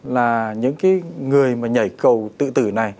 là những cái người mà nhảy cầu tự tử này